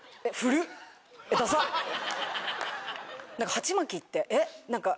鉢巻きってえっ何か。